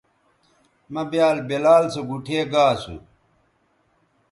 مہ بیال بلال سو گوٹھے گا اسو